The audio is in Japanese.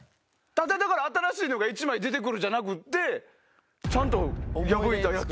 ただ新しいのが１枚出てくるんじゃなくってちゃんと破いたやつ。